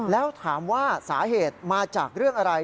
แล้วถามว่าสาเหตุมาจากเรื่องอะไร